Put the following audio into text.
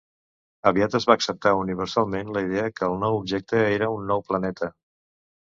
Aviat es va acceptar universalment la idea que el nou objecte era un nou planeta.